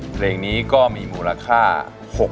ทั้งในเรื่องของการทำงานเคยทำนานแล้วเกิดปัญหาน้อย